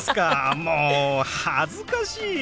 もう恥ずかしい。